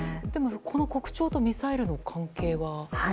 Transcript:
でも、このコクチョウとミサイルの関係は？